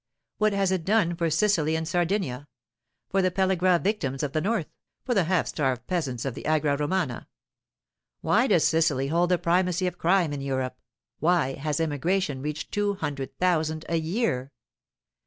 What has it done for Sicily and Sardinia, for the pellagra victims of the north, for the half starved peasants of the Agra Romana? Why does Sicily hold the primacy of crime in Europe; why has emigration reached two hundred thousand a year?